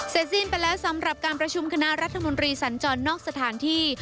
สิ้นไปแล้วสำหรับการประชุมคณะรัฐมนตรีสัญจรนอกสถานที่